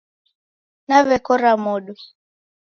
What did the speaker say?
Naw'ekora modo